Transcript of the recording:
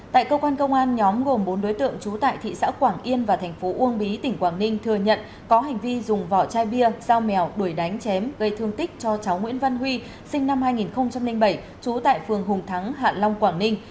tại cơ quan công an nhóm gồm bốn đối tượng trú tại thị xã quảng yên và thành phố uông bí tỉnh quảng ninh thừa nhận có hành vi dùng vỏ chai bia dao mèo đuổi đánh chém gây thương tích cho cháu nguyễn văn huy sinh năm hai nghìn bảy trú tại phường hùng thắng hạ long quảng ninh